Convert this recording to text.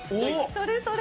それそれ！